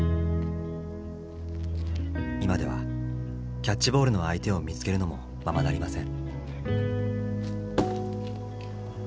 今ではキャッチボールの相手を見つけるのもままなりません。